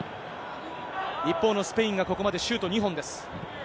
一方のスペインがここまでシュート２本です。